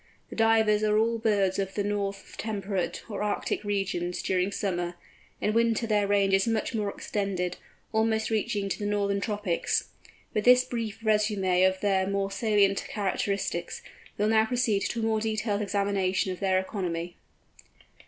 The Divers are all birds of the north temperate or Arctic regions, during summer; in winter their range is much more extended, almost reaching to the northern tropics. With this brief résumé of their more salient characteristics, we will now proceed to a more detailed examination of their economy.